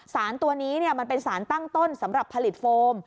สารตัวนี้มันเป็นสารตั้งต้นสำหรับผลิตโฟม